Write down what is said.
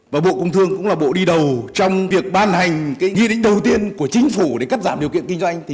và bộ công thương cũng là bộ đi đầu trong việc ban hành nghị định đầu tiên của chính phủ để cắt giảm điều kiện kinh doanh